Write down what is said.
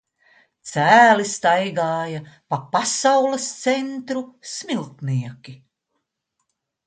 Cēli staigāja pa Pasaules centru "Smiltnieki".